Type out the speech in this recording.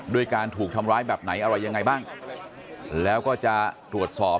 ด้วยการถูกทำร้ายแบบไหนอะไรยังไงบ้างแล้วก็จะตรวจสอบ